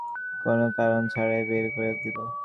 মনে করে তোর মালিক তোকে কোনো কারণ ছাড়াই বের করে দিলো।